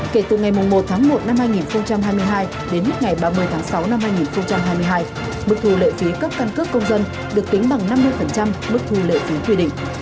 kể từ ngày một tháng một năm hai nghìn hai mươi hai đến hết ngày ba mươi tháng sáu năm hai nghìn hai mươi hai mức thu lệ phí cấp căn cước công dân được tính bằng năm mươi mức thu lệ phí quy định